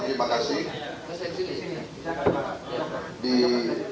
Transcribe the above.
baik terima kasih sudah berhasil ini